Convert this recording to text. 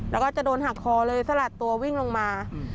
แล้วก็จะโดนหักคอเลยสลัดตัววิ่งลงมา